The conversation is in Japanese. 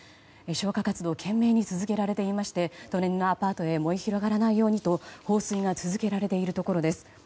消火活動懸命に続けられていまして隣のアパートへ燃え広がらないようにと放水が続けられているところです。